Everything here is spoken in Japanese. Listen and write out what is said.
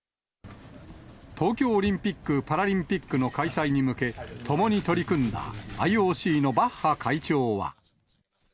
東京オリンピック・パラリンピックの開催に向け、ともに取り組んだＩＯＣのバッハ会長は。